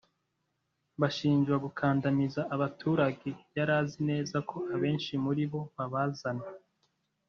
bashinjwa gukandamiza abaturage yari azi neza ko abenshi muri bo babazana